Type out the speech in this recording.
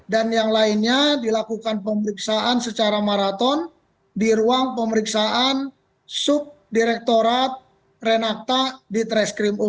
dan yang lainnya dilakukan pemeriksaan secara maraton di ruang pemeriksaan subdirektorat renata ditreskrim umpul